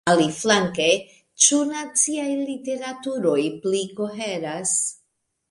Aliflanke, ĉu naciaj literaturoj pli koheras?